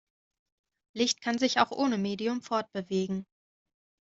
Licht kann sich auch ohne Medium fortbewegen.